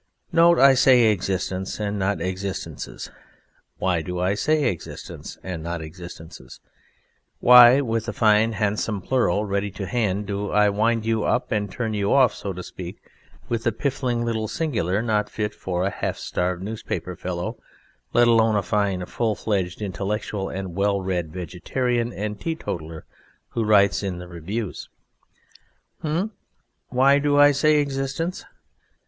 Note, I say "existence" and not "existences." Why do I say "existence", and not "existences"? Why, with a fine handsome plural ready to hand, do I wind you up and turn you off, so to speak, with a piffling little singular not fit for a half starved newspaper fellow, let alone a fine, full fledged, intellectual and well read vegetarian and teetotaller who writes in the reviews? Eh? Why do I say "existence"?